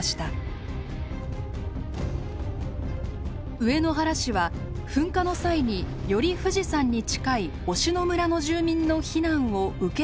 上野原市は噴火の際により富士山に近い忍野村の住民の避難を受け入れる取り決めをしていました。